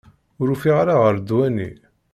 Ur ufiɣ ara ɣer ddwa-nni.